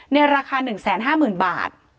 ในราคา๑๕๐๐๐บาท